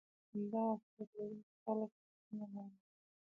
همدغه صفت لرونکي خلک په سمه لار دي